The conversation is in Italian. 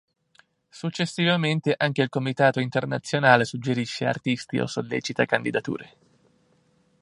Successivamente anche il comitato internazionale suggerisce artisti o sollecita candidature.